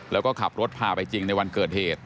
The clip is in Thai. แล้วก็ขับรถพาไปจริงในวันเกิดเหตุ